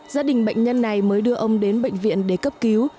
gia đình bệnh nhân này mới đưa ông đến bệnh viện để cấp cứu